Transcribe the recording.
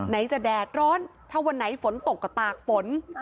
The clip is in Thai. จะแดดร้อนถ้าวันไหนฝนตกก็ตากฝน